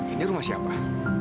ini rumah siapa